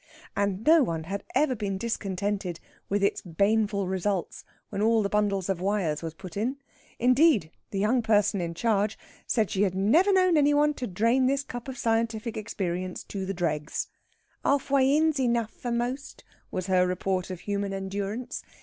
And no one had ever been discontented with its baneful results when all the bundle of wires was put in; indeed, the young person in charge said she had never known any one to drain this cup of scientific experience to the dregs. "Halfway in's enough for most," was her report of human endurance.